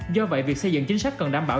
do vậy việc xây dựng chính sách cần đảm bảo